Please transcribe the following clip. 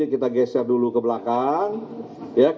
kita geser dulu ke belakang